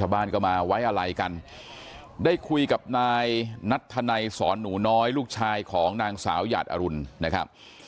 ชาวบ้านก็มาไว้อะไรกันได้คุยกับนายนัทธนัยสอนหนูน้อยลูกชายของนางสาวหยาดอรุณนะครับ